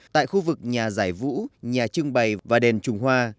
tại khu vực nhà giải vũ nhà trưng bày và đền trung hoa